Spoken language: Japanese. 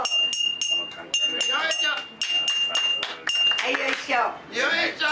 はいよいしょ。